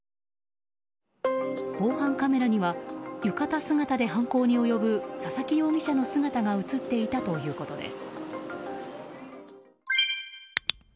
防犯カメラには浴衣姿で犯行に及ぶ佐々木容疑者の姿が映っていたということです。